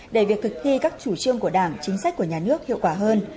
để việc thực thi các chủ trương của đảng chính sách của nhà nước hiệu quả hơn